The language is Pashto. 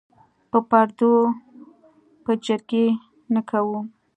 په پردو به جرګې نه کوو.